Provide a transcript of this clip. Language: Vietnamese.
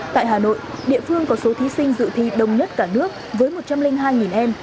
tại hà nội địa phương có số thí sinh dự thi đông nhất cả nước với một trăm linh hai em